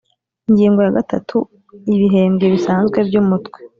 Ingingo ya gatanu Ibihembwe bisanzwe by Umutwe